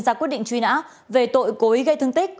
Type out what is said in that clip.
ra quyết định truy nã về tội cố ý gây thương tích